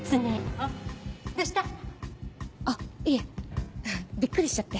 あっいえびっくりしちゃって。